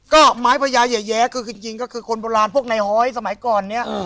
ก็ไม้พญาแย้คือจริงก็คือคนโบราณพวกในหอยสมัยก่อนเนี่ย